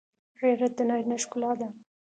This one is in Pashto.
غیرت د نارینه ښکلا ده